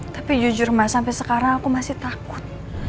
tapi jujur mas sampai sekarang aku masih takut